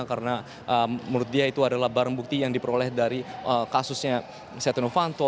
karena menurut dia itu adalah barang bukti yang diperoleh dari kasusnya setonowanto